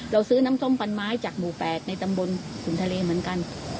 เราซื้อน้ำส้มฟันไม้จากหมู่๘ในตำบลขุนทะเลเหมือนกัน